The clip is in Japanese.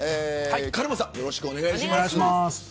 カルマさんよろしくお願いします。